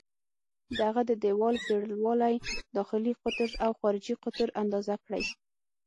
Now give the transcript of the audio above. د هغه د دیوال پرېړوالی، داخلي قطر او خارجي قطر اندازه کړئ.